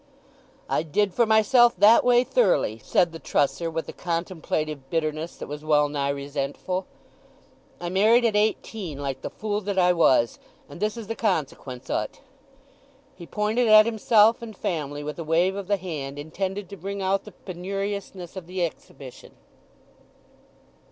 "I did for myself that way thoroughly," said the trusser with a contemplative bitterness that was well nigh resentful. "I married at eighteen, like the fool that I was; and this is the consequence o't." He pointed at himself and family with a wave of the hand intended to bring out the penuriousness of the exhibition.